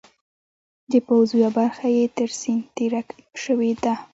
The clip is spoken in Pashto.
د پوځ یوه برخه یې تر سیند تېره شوې ده.